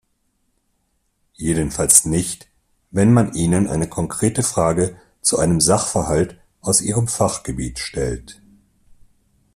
Jedenfalls nicht, wenn man ihnen eine konkrete Frage zu einem Sachverhalt aus ihrem Fachgebiet stellt.